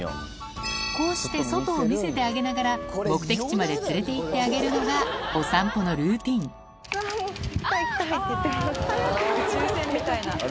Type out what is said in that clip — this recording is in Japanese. こうして外を見せてあげながら目的地まで連れて行ってあげるのがお散歩のルーティン「早く」って。